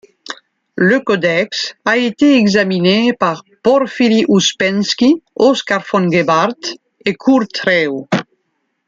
Le codex a été examiné par Porphiry Uspenski, Oscar von Gebhardt, et Kurt Treu.